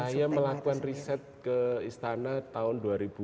saya melakukan riset ke istana tahun dua ribu dua